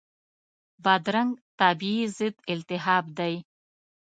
بادرنګ طبیعي ضد التهاب دی.